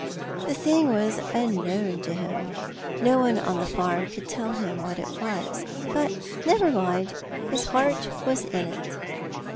The thing was unknown to him; no one on the farm could tell him what it was. But never mind; his heart was in it.